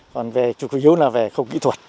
còn về chủ yếu là về không kỹ thuật